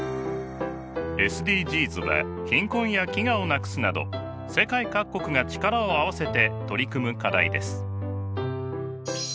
ＳＤＧｓは貧困や飢餓をなくすなど世界各国が力を合わせて取り組む課題です。